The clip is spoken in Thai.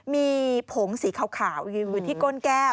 มีผงสีขาวอยู่ที่ก้นแก้ว